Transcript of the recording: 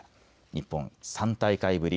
日本３大会ぶり